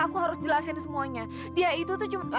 aku harus jelasin semuanya dia itu tuh cuma